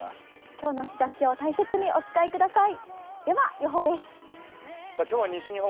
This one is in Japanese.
今日の日ざしを大切にお使いください。